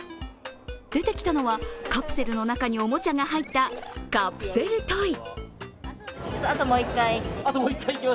出てきたのは、カプセルの中におもちゃが入ったカプセルトイ。